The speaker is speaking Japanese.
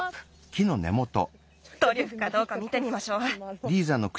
トリュフかどうか見てみましょう。